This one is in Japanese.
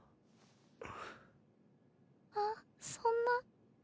あっそんな。